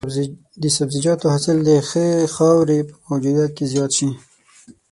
د سبزیجاتو حاصل د ښه خاورې په موجودیت کې زیات شي.